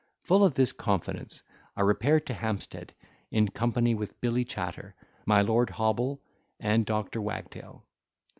Full of this confidence I repaired to Hampstead in company with Billy Chatter, my Lord Hobble, and Doctor Wagtail.